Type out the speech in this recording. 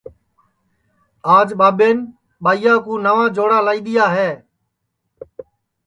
آج ٻاٻین ٻائیا کُو نئوا چھوا لائی دؔیا ہے